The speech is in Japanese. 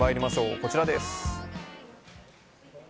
こちらです。